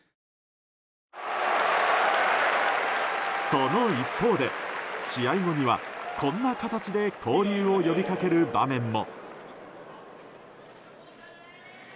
その一方で試合後には、こんな形で交流を呼びかける場面も。